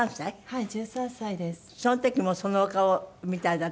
はい。